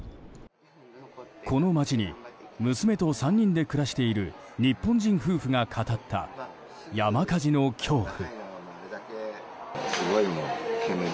この街に娘と３人で暮らしている日本人夫婦が語った山火事の恐怖。